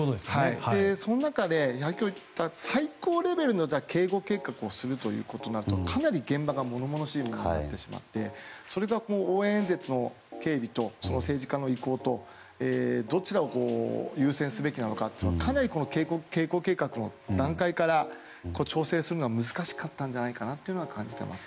その中で、最高レベルの警護計画をするとなるとかなり現場が物々しいものになってしまってそれが応援演説の警備と政治家の意向とどちらを優先すべきかはかなり警護計画の段階から調整するのは難しかったのではないかと感じます。